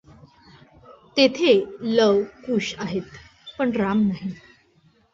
तेथे लव, कुश आहेत, पण राम नाही.